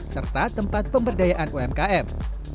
serta tempat pemberdayaan umkm